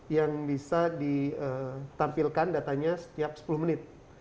yang bisa ditampilkan datanya setiap sepuluh menit